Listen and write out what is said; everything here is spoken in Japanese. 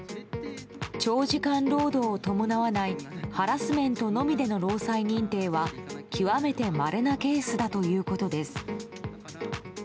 長時間労働を伴わないハラスメントのみでの労災認定は極めてまれなケースだということです。